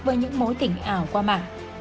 với những mối tình ảo qua mạng